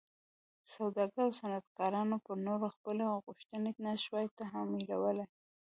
سوداګرو او صنعتکارانو پر نورو خپلې غوښتنې نه شوای تحمیلولی.